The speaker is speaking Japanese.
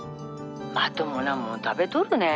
まともなもん食べとるね？